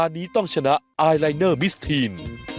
อันนี้ต้องชนะไอลายเนอร์มิสทีน